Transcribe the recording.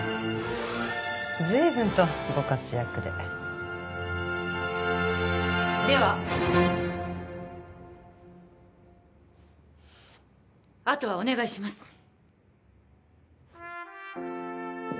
随分とご活躍でではあとはお願いします